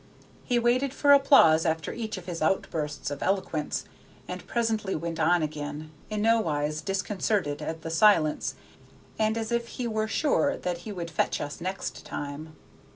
He waited for applause after each of his outbursts of eloquence, and presently went on again, in no wise disconcerted at the silence, and as if he were sure that he would fetch us next time.